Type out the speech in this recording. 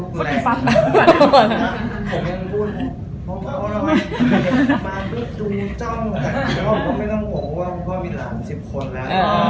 ผมได้รู้ว่ามันเจ้าก็ไม่ต้องบอกว่ามีหลานสิบคนแล้ว